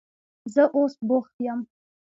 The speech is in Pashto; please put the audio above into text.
زه اوس بوخت یم.